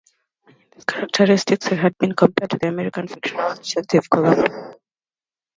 In these characteristics, he has been compared to the American fictional detective Columbo.